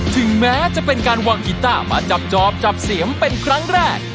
ถึงแม้จะเป็นการวางกีต้ามาจับจอบจับเสียมเป็นครั้งแรก